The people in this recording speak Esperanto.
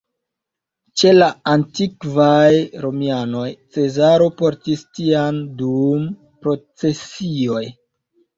Ĉe la antikvaj romianoj Cezaro portis tian dum procesioj.